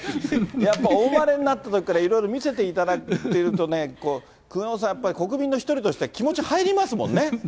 やっぱお生まれになったときから、いろいろ見せていただいているとね、久能さん、やっぱり国民の一人として気持ち入りますもんね。